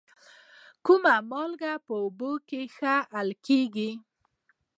کومه مالګه په اوبو کې ښه حل کیږي؟